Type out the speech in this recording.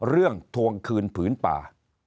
เรื่องทวงคืนผืนป่า